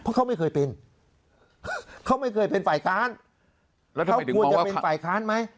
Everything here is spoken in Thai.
เขาไม่เคยเป็นฝ่ายค้านเขาควรจะเป็นฝ่ายค้านไหม